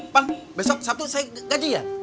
pan besok sabtu saya gaji ya